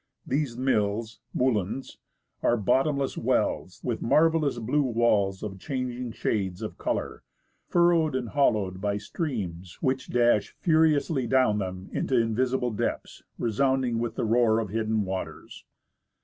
These "mills" {moulins) are bottomless wells, with mar 171 THE ASCENT OF MOUNT ST. ELIAS vellous blue walls of changing shades of colour, furrowed and hollowed by streams which dash furiously down them into invisible depths resounding with the roar of hidden waters.